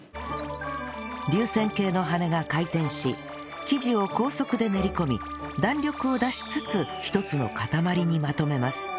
流線形の羽が回転し生地を高速で練り込み弾力を出しつつ一つの塊にまとめます